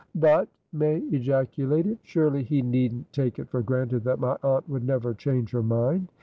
"But," May ejaculated, "surely he needn't take it for granted that my aunt would never change her mind.